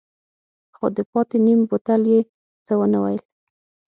خو د پاتې نيم بوتل يې څه ونه ويل.